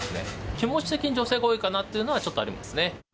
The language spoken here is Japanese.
気持ち的に女性が多いかなというのはちょっとありますね。